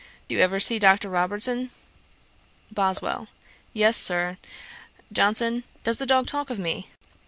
Do you ever see Dr. Robertson?' BOSWELL. 'Yes, Sir.' JOHNSON. 'Does the dog talk of me?'